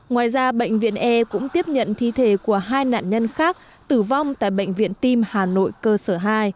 ngoài ra bệnh viện e cũng tiếp nhận thi thể của hai nạn nhân khác tử vong tại bệnh viện tim hà nội cơ sở hai